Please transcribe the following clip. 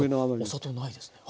お砂糖ないですね。